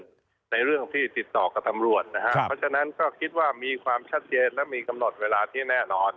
ในเรื่องที่ติดต่อกับตำรวจนะครับเพราะฉะนั้นก็คิดว่ามีความชัดเจนและมีกำหนดเวลาที่แน่นอน